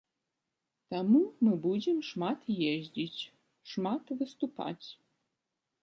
Таму мы будзем шмат ездзіць, шмат выступаць.